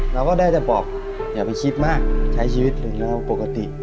เราก็ได้จะบอกอย่าไปคิดมากใช้ชีวิตเป็นเรื่องปกติ